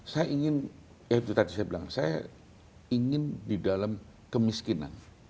saya ingin ya itu tadi saya bilang saya ingin di dalam kemiskinan